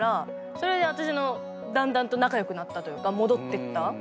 それで私のだんだんと仲良くなったというか戻ってった。